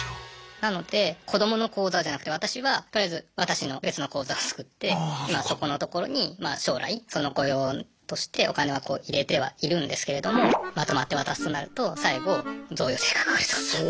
なので子どもの口座じゃなくて私はとりあえず私の別の口座を作って今そこのところにまあ将来その子用としてお金は入れてはいるんですけれどもまとまって渡すとなると最後贈与税かかると。